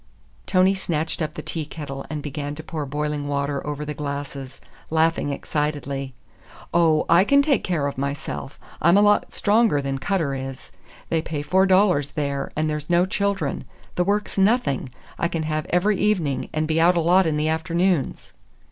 Tony snatched up the tea kettle and began to pour boiling water over the glasses, laughing excitedly. "Oh, I can take care of myself! I'm a lot stronger than Cutter is. They pay four dollars there, and there's no children. The work's nothing; I can have every evening, and be out a lot in the afternoons."